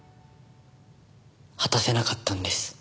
果たせなかったんです。